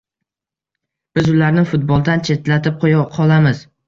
Biz ularni futboldan chetlatib qoʻya qolamiz